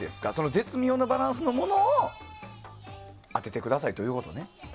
絶妙なバランスのものを当ててくださいということね。